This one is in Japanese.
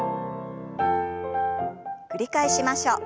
繰り返しましょう。